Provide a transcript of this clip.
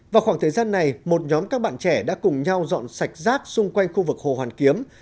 vào khoảng thời gian này một nhóm các bạn trẻ đã cùng nhau dọn sạch rác xung quanh khu vực hồ hoàn kiếm